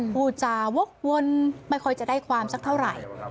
พูดจาวกวนไม่ค่อยจะได้ความสักเท่าไหร่